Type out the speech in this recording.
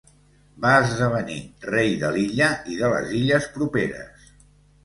Va esdevenir rei de l'illa i de les illes properes.